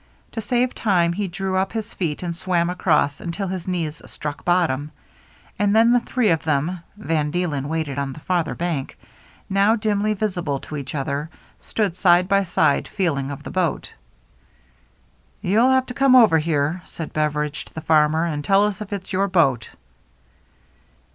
To save time he drew up his feet and swam across until his knees struck bottom. And then the three of them, — Van Deelen waited on the farther bank, — now dimly visible to each other, stood side by side feeling of the boat. " You'll have to come over here," said Bev WHISKEY JIM 353 eridge to the farmer, " and tell us if it*s your boat."